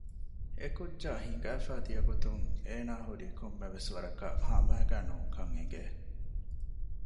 އެކުއްޖާ ހިނގާފައި ދިޔަގޮތުން އޭނާ ހުރީ ކޮންމެވެސް ވަރަކަށް ހަމައިގަ ނޫންކަން އެގެ